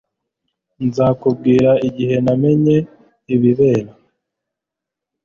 Nzakubwira igihe namenye ibibera